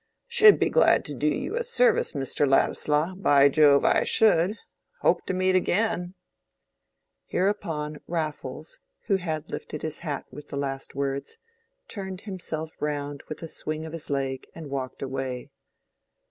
"Should be glad to do you a service, Mr. Ladislaw—by Jove, I should! Hope to meet again." Hereupon Raffles, who had lifted his hat with the last words, turned himself round with a swing of his leg and walked away.